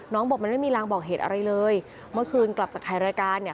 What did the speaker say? บอกมันไม่มีรางบอกเหตุอะไรเลยเมื่อคืนกลับจากถ่ายรายการเนี่ย